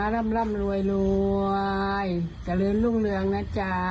ร่ำร่ำรวยรวยเจริญรุ่งเรืองนะจ๊ะ